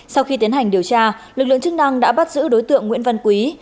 sau khi tiến hành điều tra lực lượng chức năng đã bắt giữ đối tượng nguyễn văn quý